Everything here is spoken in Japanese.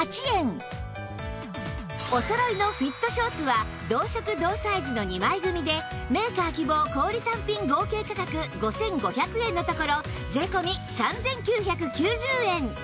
おそろいのフィットショーツは同色同サイズの２枚組でメーカー希望小売単品合計価格５５００円のところ税込３９９０円